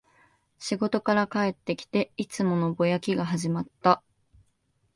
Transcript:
仕事から帰ってきて、いつものぼやきが始まった